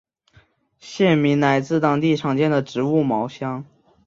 县名来自当地常见的植物茅香。